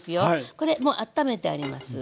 これもうあっためてあります。